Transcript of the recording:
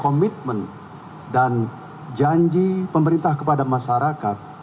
komitmen dan janji pemerintah kepada masyarakat